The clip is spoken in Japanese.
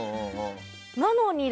なのに。